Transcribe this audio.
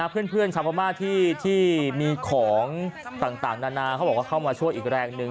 เพื่อนเพื่อนทำประมาทที่ที่มีของต่างต่างนานาเขาบอกว่าเข้ามาช่วยอีกแรงหนึ่ง